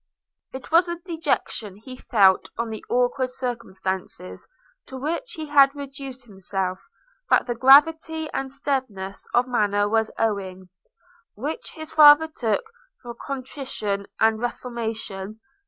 It was to the dejection he felt on the awkward circumstances to which he had reduced himself, that the gravity and steadiness of manner was owing, which his father took for contrition and reformation.